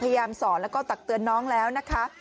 พยายามสอนแล้วก็ตักเตือนน้องแล้วนะคะ